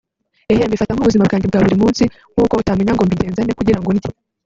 Eeeh Mbifata nk’ubuzima bwanjye bwa buri munsi nk’uko utamenya ngo mbigenza nte kugirango ndye